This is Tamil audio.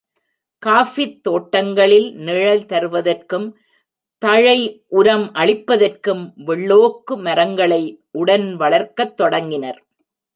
காஃபித் தோட்டங்களில் நிழல் தருவதற்கும், தழை உரம் அளிப்பதற்கும் வெள்ளோக்கு மரங்களை உடன் வளர்க்கத் தொடங்கினர்.